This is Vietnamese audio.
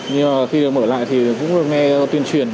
nhưng mà khi mở lại thì cũng nghe tuyên truyền